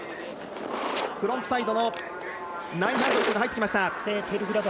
フロントサイドの９００で入ってきました。